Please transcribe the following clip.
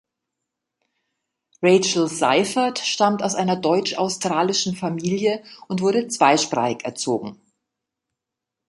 Rachel Seiffert stammt aus einer deutsch-australischen Familie und wurde zweisprachig erzogen.